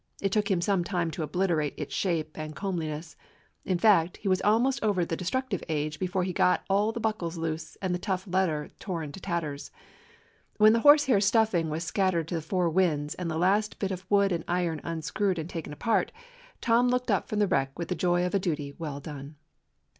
It took him some time to obliter ate its shape and comeliness. In fact, he was almost over the destructive age before he got all the buckles loose and the tough leather torn to tatters. When the horsehair stuffing was scattered to the four winds, and the last bit of wood and iron unscrewed and taken apart, Tom looked up from the wreck with the joy of a duty well done.